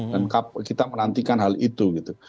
dan kita menantikan hal itu gitu